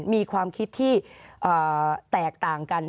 มีความคิดที่แตกต่างกัน